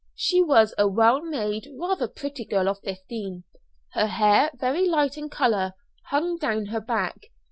She was a well made, rather pretty girl of fifteen. Her hair, very light in colour, hung down her back.